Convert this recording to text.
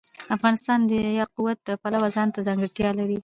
افغانستان د یاقوت د پلوه ځانته ځانګړتیا لري.